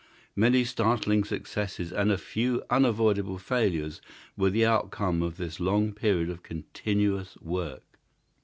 Many startling successes and a few unavoidable failures were the outcome of this long period of continuous work.